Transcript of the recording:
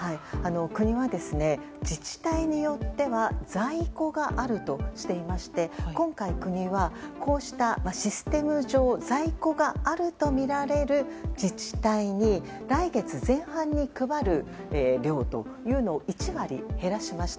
国は、自治体によっては在庫があるとしていまして今回、国はこうしたシステム上在庫があるとみられる自治体に来月前半に配る量というのを１割減らしました。